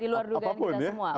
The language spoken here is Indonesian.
di luar dugaan kita semua